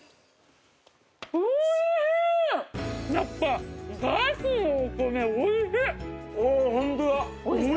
やっぱガスのお米おいしい。